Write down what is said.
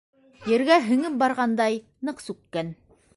Ергә һеңеп барғандай, ныҡ сүккән.